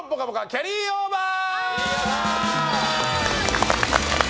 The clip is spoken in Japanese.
キャリーオーバー。